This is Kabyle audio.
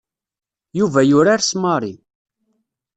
Yuba yurar s Mary.